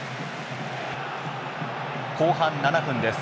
後半７分です。